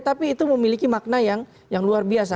tapi itu memiliki makna yang luar biasa